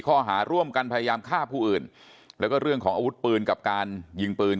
ข้อหาร่วมกันพยายามฆ่าผู้อื่นแล้วก็เรื่องของอาวุธปืนกับการยิงปืน